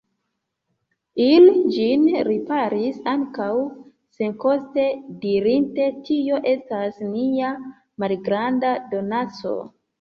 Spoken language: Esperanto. Ili ĝin riparis ankaŭ senkoste, dirinte: Tio estas nia malgranda donaco.